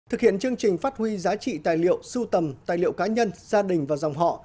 thực hiện chương trình phát huy giá trị tài liệu sưu tầm tài liệu cá nhân gia đình và dòng họ